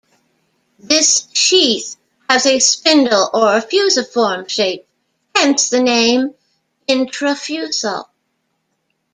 This sheath has a spindle or "fusiform" shape, hence the name "intrafusal".